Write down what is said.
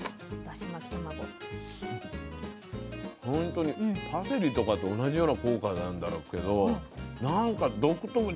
ほんとにパセリとかと同じような効果なんだろうけど何か独特。